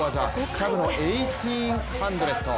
キャブの１８００。